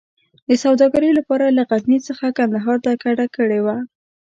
د سوداګرۍ لپاره له غزني څخه کندهار ته کډه کړې وه.